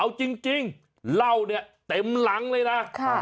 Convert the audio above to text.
เอาจริงเหล้าเนี่ยเต็มหลังเลยนะ